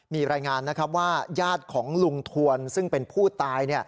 มีรายงานนะครับว่าญาติของลุงทวนซึ่งเป็นผู้ตาย